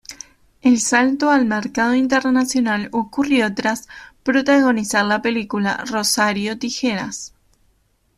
El salto al mercado internacional ocurrió tras protagonizar la película "Rosario Tijeras".